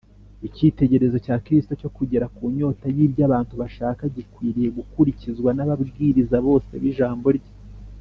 Icyitegerezo cya Kristo cyo kugera ku nyota y’ibyo abantu bashaka gikwiriye gukurikizwa n’ababwiriza bose b’Ijambo rye